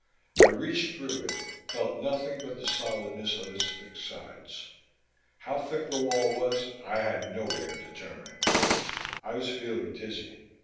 I reached through it, felt nothing but the solidness of its thick sides. How thick the wall was I had no way of determining. I was feeling dizzy.